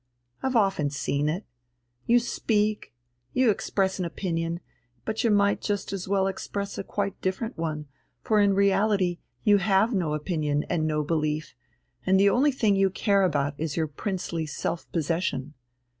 I've often seen it you speak, you express an opinion, but you might just as well express a quite different one, for in reality you have no opinion and no belief, and the only thing you care about is your princely self possession.